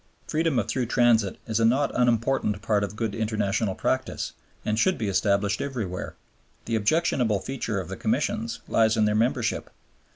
Freedom of through transit is a not unimportant part of good international practice and should be established everywhere. The objectionable feature of the Commissions lies in their membership.